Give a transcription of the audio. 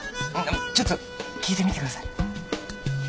ちょっと聞いてみてください。